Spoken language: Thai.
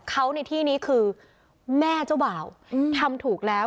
เขาในที่นี้คือแม่เจ้าบ่าวทำถูกแล้ว